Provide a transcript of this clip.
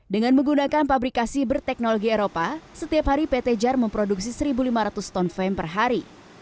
dengan menggunakan pabrikasi berteknologi eropa setiap hari pt jar memproduksi satu lima ratus ton fem per hari